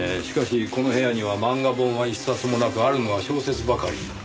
しかしこの部屋には漫画本は１冊もなくあるのは小説ばかり。